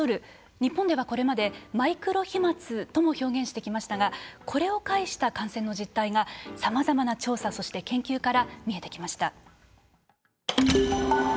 日本ではこれまでマイクロ飛まつとも表現してきましたがこれを介した感染の実態がさまざまな調査、そして研究課ら見えてきました。